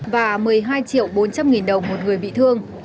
và một mươi hai triệu bốn trăm linh nghìn đồng một người bị thương